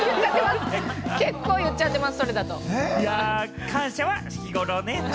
それだと結構、言っちゃってます。